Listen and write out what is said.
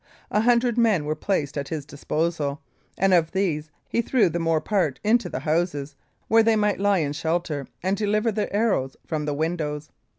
A hundred men were placed at his disposal, and of these he threw the more part into the houses, where they might lie in shelter and deliver their arrows from the windows.